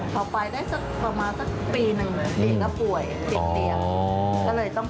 พอไปได้ประมาณสักปีหนึ่งเดี๋ยวก็ป่วยเสียงเตียง